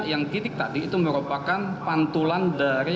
yang titik tadi itu merupakan pantulan dari